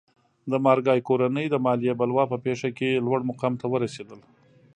د مارګای کورنۍ د مالیې بلوا په پېښه کې لوړ مقام ته ورسېده.